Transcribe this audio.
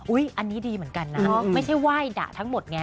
อันนี้ดีเหมือนกันนะไม่ใช่ไหว้ดะทั้งหมดไง